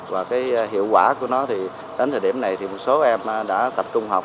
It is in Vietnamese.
và cái hiệu quả của nó thì đến thời điểm này thì một số em đã tập trung học